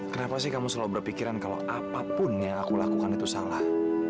kenapa sih kamu selalu berpikiran kalau apapun yang aku lakukan itu salah